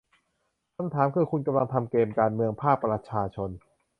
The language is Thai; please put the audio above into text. คำถามคือคุณกำลังทำเกมการเมืองภาคประชาชน